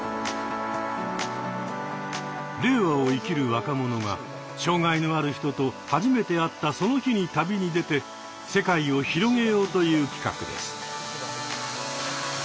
令和を生きる若者が障害のある人と初めて会ったその日に旅に出て世界を広げようという企画です。